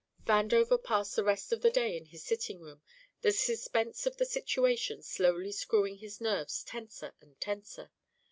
Vandover passed the rest of the day in his sitting room, the suspense of the situation slowly screwing his nerves tenser and tenser.